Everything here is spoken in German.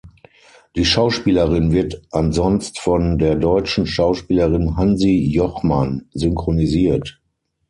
Die Schauspielerin wird ansonst von der deutschen Schauspielerin Hansi Jochmann synchronisiert.